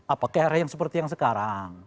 apa ke arah yang seperti yang sekarang